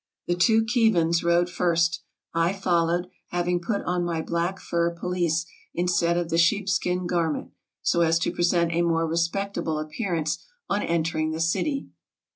The two Khivans rode first; I followed, having put on my black fur pelisse instead of the sheepskin garment, so as to present a more respectable appearance on entering the city.